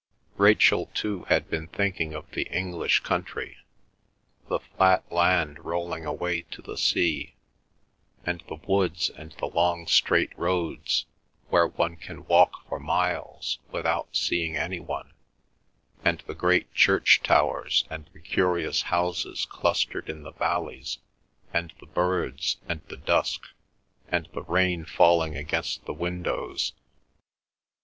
Rachel, too, had been thinking of the English country: the flat land rolling away to the sea, and the woods and the long straight roads, where one can walk for miles without seeing any one, and the great church towers and the curious houses clustered in the valleys, and the birds, and the dusk, and the rain falling against the windows.